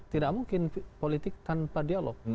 tidak mungkin politik tanpa dialog